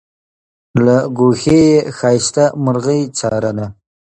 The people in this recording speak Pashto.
له ګوښې یې ښایسته مرغۍ څارله